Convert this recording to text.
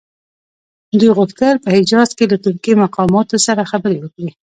دوی غوښتل په حجاز کې له ترکي مقاماتو سره خبرې وکړي.